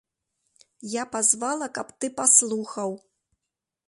Я пазвала, каб ты паслухаў.